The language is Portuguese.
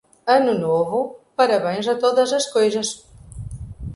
Ano Novo, parabéns a todas as coisas